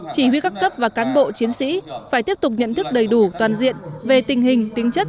chỉ huy các cấp và cán bộ chiến sĩ phải tiếp tục nhận thức đầy đủ toàn diện về tình hình tính chất